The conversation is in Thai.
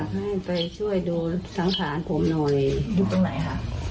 ผมอยากให้ไปช่วยดูสังฐานผมหน่อยดูตรงไหนค่ะ